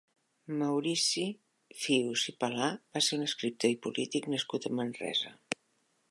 Maurici Fius i Palà va ser un escriptor i polític nascut a Manresa.